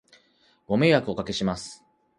ご迷惑をお掛けします